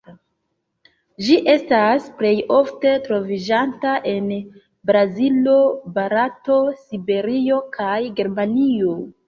Ĝi estas plej ofte troviĝanta en Brazilo, Barato, Siberio, kaj Germanio.